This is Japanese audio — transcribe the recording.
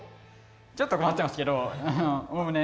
ちょっと困ってますけどおおむね。